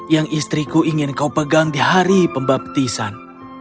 yang istriku ingin kau pegang di hari pembaptisan